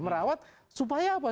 merawat supaya apa